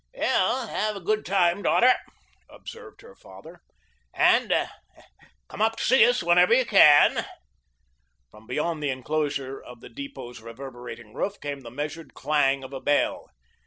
"Well, have a good time, daughter," observed her father; "and come up to see us whenever you can." From beyond the enclosure of the depot's reverberating roof came the measured clang of a bell.